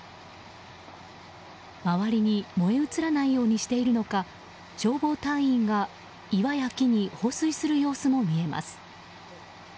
周りに燃え移らないようにしているのか消防隊員が岩や木に放水する様子も見えます。